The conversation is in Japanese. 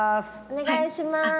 お願いします！